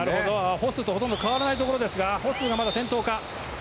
ホッスーとほとんど変わらないところですがホッスーは先頭か。